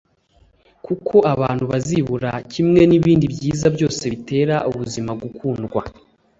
kuko abantu bazibura kimwe n'ibindi byiza byose bitera ubuzima gukundwa.